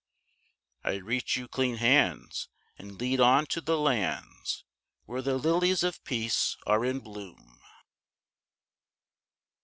I reach you clean hands, and lead on to the lands Where the lilies of peace are in bloom."